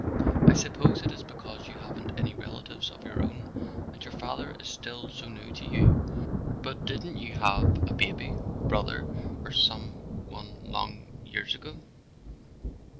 I suppose it is because you haven't any relatives of your own and your father is still so new to you. But didn't you have a baby brother or some one long years ago